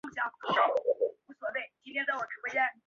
我对未来有信心